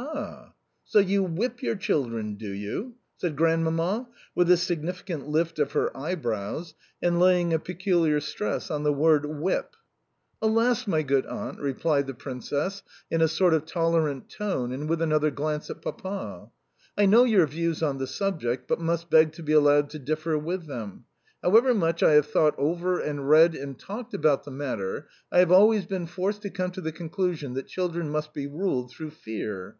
"Ah! So you WHIP your children, do you" said Grandmamma, with a significant lift of her eyebrows, and laying a peculiar stress on the word "WHIP." "Alas, my good Aunt," replied the Princess in a sort of tolerant tone and with another glance at Papa, "I know your views on the subject, but must beg to be allowed to differ with them. However much I have thought over and read and talked about the matter, I have always been forced to come to the conclusion that children must be ruled through FEAR.